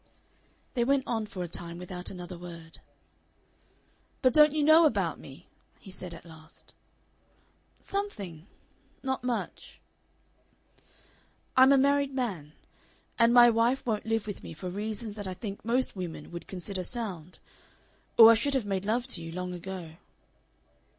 They went on for a time without another word. "But don't you know about me?" he said at last. "Something. Not much." "I'm a married man. And my wife won't live with me for reasons that I think most women would consider sound.... Or I should have made love to you long ago."